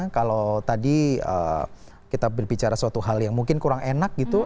kalau tadi kita berbicara suatu hal yang mungkin kurang enak gitu